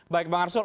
baik bang arsul